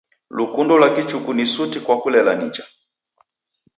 Lukundo lwa kichuku ni suti kwa kulela nicha.